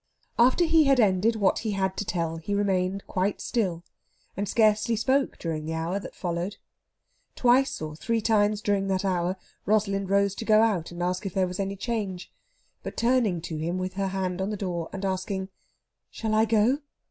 After he had ended what he had to tell he remained quite still, and scarcely spoke during the hour that followed. Twice or three times during that hour Rosalind rose to go out and ask if there was any change. But, turning to him with her hand on the door, and asking "Shall I go?"